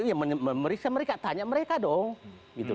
ya memeriksa mereka tanya mereka dong